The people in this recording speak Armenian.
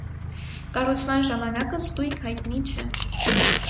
Կառուցման ժամանակը ստույգ հայտնի չէ։